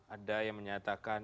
ada yang menyatakan